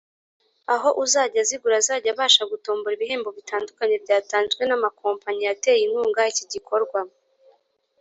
aho uzajya azigura azajya abasha gutombora ibihembo bitandukanye byatanzwe n’amakompanyi yateye inkunga iki gikorwa